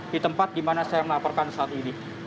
di tempat di mana saya melaporkan saat ini